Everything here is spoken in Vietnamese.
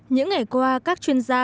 những ngày qua các chuyên gia